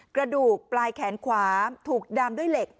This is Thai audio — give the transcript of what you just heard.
กระดูกปลายแขนขวาถูกดำด้วยเหล็ก